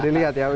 kalian lihat ya